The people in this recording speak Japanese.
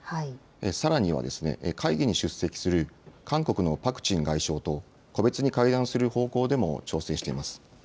さらには会議に出席する韓国のパク・チン外相と個別に会談する方向でも調整しています。